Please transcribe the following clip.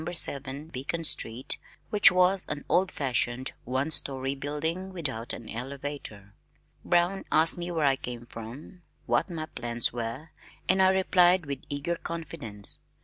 7 Beacon Street, which was an old fashioned one story building without an elevator. Brown asked me where I came from, what my plans were, and I replied with eager confidence.